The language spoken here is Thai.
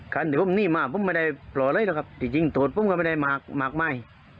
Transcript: กันนี่ไหมว่าไม่ได้ปลอเล่นเหรอครับจริงโตดผมไม่ได้มาที่มากมาย